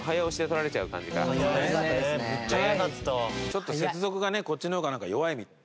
ちょっと接続がねこっちの方が弱いみたいで。